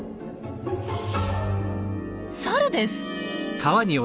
サルです。